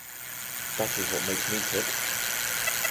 That is what makes me tick.